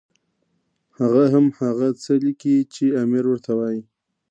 هغه هم هغه څه لیکي چې امیر ورته وایي.